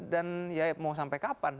ya mau sampai kapan